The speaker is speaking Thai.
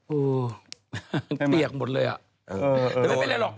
อู้เปียกหมดเลยอะไม่ได้หรอก